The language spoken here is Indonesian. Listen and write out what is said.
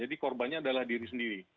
jadi korbannya adalah diri sendiri